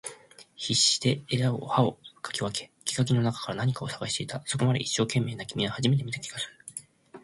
必死で枝を葉を掻き分け、生垣の中から何かを探していた。そこまで一生懸命な君は初めて見た気がする。